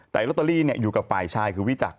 แต่ลอตเตอรี่อยู่กับฝ่ายชายคือวิจักร